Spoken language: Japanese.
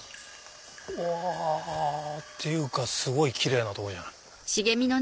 わぁ！っていうかすごいキレイなとこじゃん。